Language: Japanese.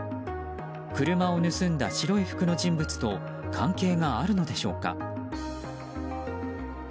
車を盗んだ白い服の人物と関係があるのでしょうか。